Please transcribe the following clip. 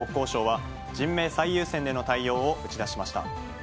これを受けて、国交省は人命最優先での対応を打ち出しました。